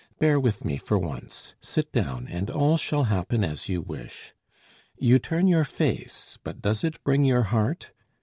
bear with me for once: Sit down and all shall happen as you wish. You turn your face, but does it bring your heart?